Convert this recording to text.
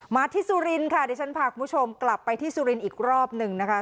ที่สุรินทร์ค่ะดิฉันพาคุณผู้ชมกลับไปที่สุรินทร์อีกรอบหนึ่งนะคะ